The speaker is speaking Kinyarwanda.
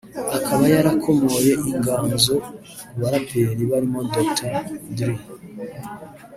akaba yarakomoye inganzo ku baraperi barimo Dr Dre